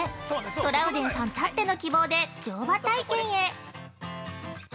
トラウデンさんたっての希望で乗馬体験へ。